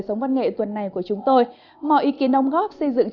số phận nàng kiều